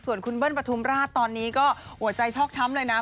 ส่วนคุณเบิ้ลปฐุมราชตอนนี้ก็หัวใจชอกช้ำเลยนะ